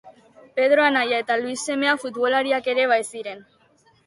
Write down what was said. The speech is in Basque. Pedro anaia eta Luis semea futbolariak ere baziren.